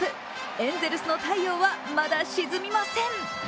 エンゼルスの太陽はまだ沈みません。